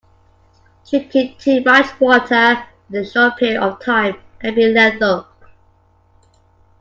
Drinking too much water in a short period of time can be lethal.